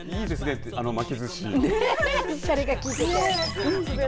しゃれが効いていて。